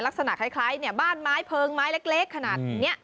ลักษณะคล้ายเนี่ยบ้านไม้เพลิงไม้เล็กขนาดนี้